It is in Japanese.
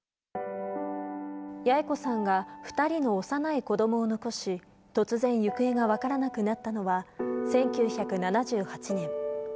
八重子さんが２人の幼い子どもを残し、突然行方が分からなくなったのは、１９７８年。